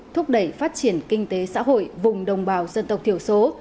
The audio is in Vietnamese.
thúc đẩy phát triển kinh tế xã hội vùng đồng bào dân tộc thiểu số